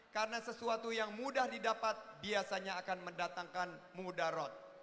karena sesuatu yang mudah didapat biasanya akan mendatangkan muda rot